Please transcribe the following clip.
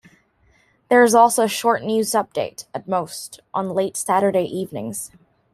There is also a short news update, at most, on late Saturday evenings.